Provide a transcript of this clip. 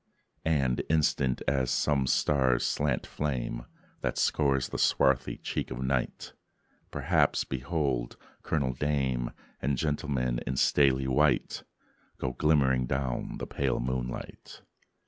And, instant as some star's slant flame, That scores the swarthy cheek of night, Perhaps behold Colonial dame And gentleman in stately white Go glimmering down the pale moonlight.